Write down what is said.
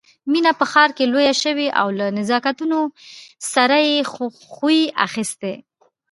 مينه په ښار کې لويه شوې او له نزاکتونو سره يې خوی اخيستی